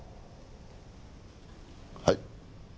はい？